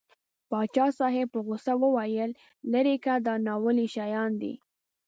پاچا صاحب په غوسه وویل لېرې که دا ناولی شی دی.